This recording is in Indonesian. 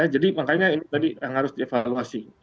jadi makanya ini tadi yang harus dievaluasi